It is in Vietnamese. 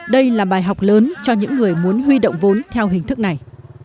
đây là bài học lớn cho những người muốn huy động vốn theo hình thức này